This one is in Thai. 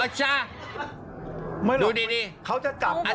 เขาจะจับมือเลยละ